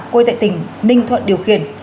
quê tại tỉnh ninh thuận điều khiển